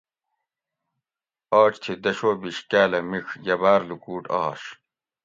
آج تھی دش او بیش کاۤلہ میڄ یہ باۤر لوکوٹ آش